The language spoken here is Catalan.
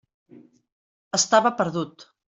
Estava perdut.